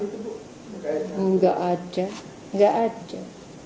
tidak ada nggak ada